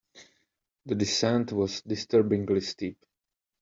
The descent was disturbingly steep.